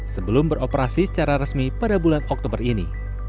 sebelum beroperasi secara resmi pada bulan oktober ini